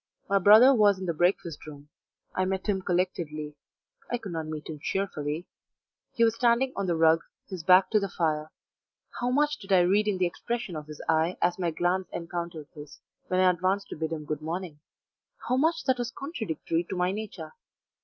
My brother was in the breakfast room. I met him collectedly I could not meet him cheerfully; he was standing on the rug, his back to the fire how much did I read in the expression of his eye as my glance encountered his, when I advanced to bid him good morning; how much that was contradictory to my nature!